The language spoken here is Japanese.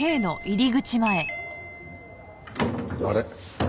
あれ？